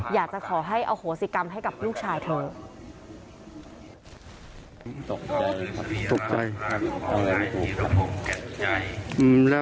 อยากจะขอให้อโหสิกรรมให้กับลูกชายเถอะ